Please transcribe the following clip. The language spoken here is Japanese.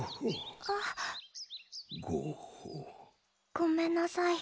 ごめんなさい